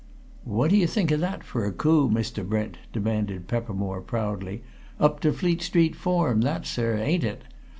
"What d'ye think of that for a coup, Mr. Brent?" demanded Peppermore proudly. "Up to Fleet Street form that, sir, ain't it?